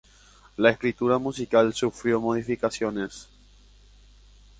La escritura musical sufrió modificaciones.